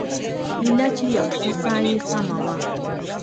ايله چې يو څه ساه يې سمه وه.